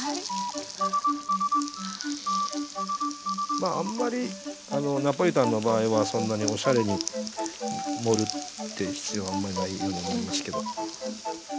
まああんまりナポリタンの場合はそんなにおしゃれに盛るって必要はあんまりないように思いますけど。